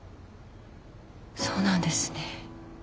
そうなんですね。